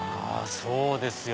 そうですよ